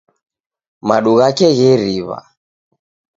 Madu ghake gheriw'a